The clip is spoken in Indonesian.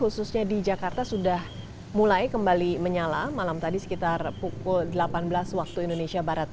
khususnya di jakarta sudah mulai kembali menyala malam tadi sekitar pukul delapan belas waktu indonesia barat